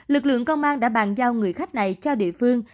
lực lượng công an đã bàn giao người khách này cho địa phương